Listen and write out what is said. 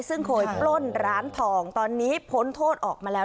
ซึ่งเคยปล้นร้านทองตอนนี้พ้นโทษออกมาแล้ว